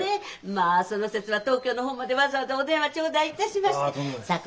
まあその節は東京の方までわざわざお電話頂戴いたしまして。